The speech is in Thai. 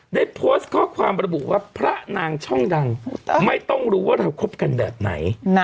ได้โพสต์ข้อความระบุว่าพระนางช่องดังไม่ต้องรู้ว่าเราคบกันแบบไหน